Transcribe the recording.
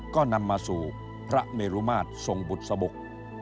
ก็นำมาสู่พระเมรุมาตรทรงบุษบก